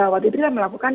waktu itu kita melakukan